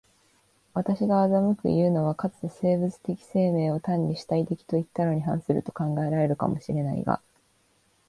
私が斯くいうのは、かつて生物的生命を単に主体的といったのに反すると考えられるかも知れないが、